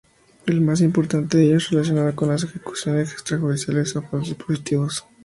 El más importante de ellos relacionado con las ejecuciones extrajudiciales o falsos positivos.